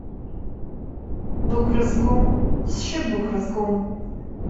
Быгәра згом, сшьы, быгәра згом.